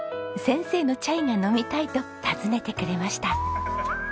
先生のチャイが飲みたいと訪ねてくれました。